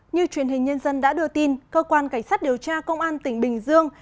như truyền hình nhân dân đã đưa tin cơ quan cảnh sát điều tra công an tỉnh bình dương